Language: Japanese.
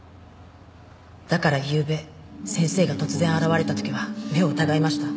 だからゆうべ先生が突然現れた時は目を疑いました。